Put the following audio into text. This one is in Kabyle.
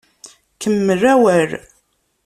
Kemmel awal